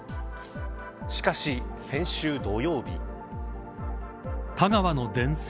しかし先週土曜日。